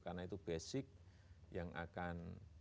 karena itu basic yang akan